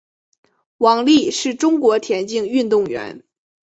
王丽是中国田径运动员。